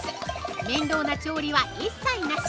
面倒な調理は一切なし！